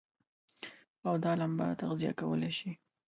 او دا لمبه تغذيه کولای شي.